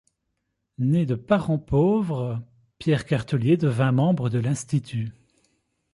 Né de parents pauvres, Pierre Cartellier devint membre de l'Institut.